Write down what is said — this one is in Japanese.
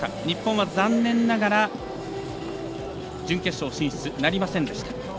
日本は残念ながら準決勝進出なりませんでした。